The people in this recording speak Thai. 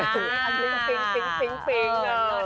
อันนี้ก็ฟิ๊ง